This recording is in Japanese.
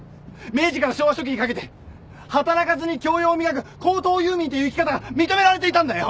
明治から昭和初期にかけて働かずに教養を磨く高等遊民という生き方が認められていたんだよ。